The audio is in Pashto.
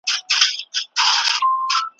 اور ته نیژدې یو بوډا ناست دی په چورتو کي ډوب دی